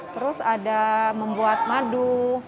terus ada membuat madu